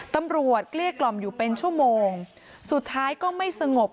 เกลี้ยกล่อมอยู่เป็นชั่วโมงสุดท้ายก็ไม่สงบ